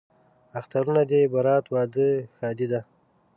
اخترونه دي برات، واده، ښادي ده